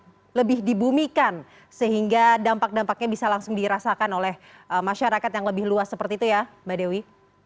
bagaimana caranya sekarang kita mencoba membumikan sehingga dampak dampaknya bisa langsung dirasakan oleh masyarakat yang lebih luas seperti itu ya mbak dewi